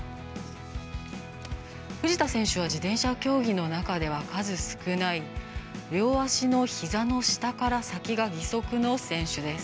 藤田選手は自転車競技の中で数少ない両足のひざから下が義足の選手です。